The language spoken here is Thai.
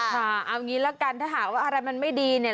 ค่ะเอางี้ละกันถ้าหากว่าอะไรมันไม่ดีเนี่ย